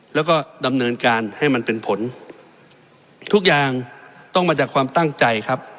แล้วก็ดำเนินการให้มันเป็นผลทุกอย่างต้องมาจากความตั้งใจครับ